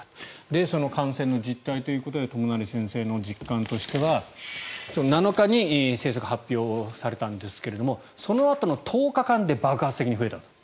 その感染の実態ということで友成先生の実感としては７日に政策発表されたんですがそのあとの１０日間で爆発的に増えたと。